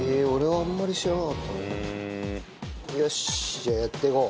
じゃあやっていこう。